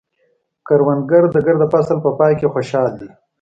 کروندګر د ګرده فصل په پای کې خوشحال دی